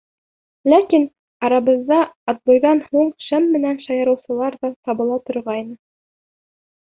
Ләкин арабыҙҙа отбойҙан һуң шәм менән шаярыусылар ҙа табыла торғайны.